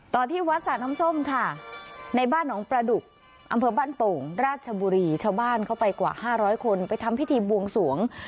ที่วัดสระน้ำส้มค่ะในบ้านหนองประดุกอำเภอบ้านโป่งราชบุรีชาวบ้านเข้าไปกว่า๕๐๐คนไปทำพิธีบวงสวง